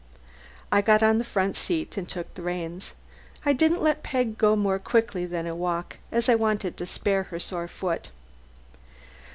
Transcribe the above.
I got on the front seat and took the reins. I didn't let Peg go more quickly than a walk as I wanted to spare her sore foot.